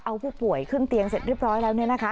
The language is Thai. เอาผู้ป่วยขึ้นเตียงเสร็จเรียบร้อยแล้ว